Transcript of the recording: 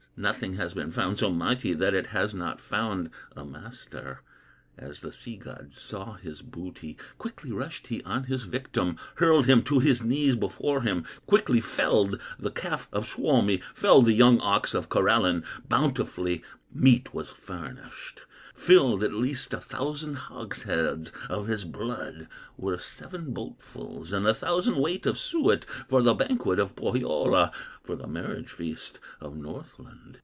Nothing has been found so mighty That it has not found a master. As the sea god saw his booty, Quickly rushed he on his victim, Hurled him to his knees before him, Quickly felled the calf of Suomi, Felled the young ox of Karelen. Bountifully meat was furnished; Filled at least a thousand hogsheads Of his blood were seven boatfuls, And a thousand weight of suet, For the banquet of Pohyola, For the marriage feast of Northland.